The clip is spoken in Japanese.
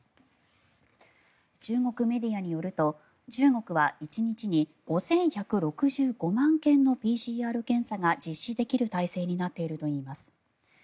中国メディアによると中国は１日に５１６５万件のＰＣＲ検査が実施できる体制になっているといいます。